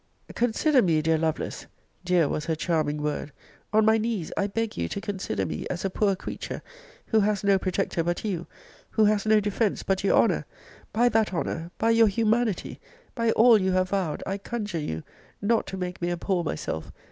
'Consider me, dear Lovelace,' [dear was her charming word!] 'on my knees I beg you to consider me as a poor creature who has no protector but you; who has no defence but your honour: by that honour! by your humanity! by all you have vowed! I conjure you not to make me abhor myself!